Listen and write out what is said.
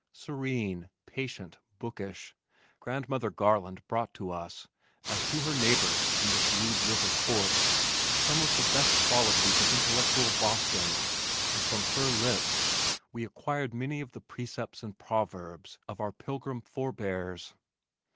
Serene, patient, bookish, Grandmother Garland brought to us, as to her neighbors in this rude river port, some of the best qualities of intellectual Boston, and from her lips we acquired many of the precepts and proverbs of our Pilgrim forbears.